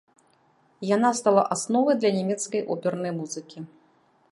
Яна стала асновай для нямецкай опернай музыкі.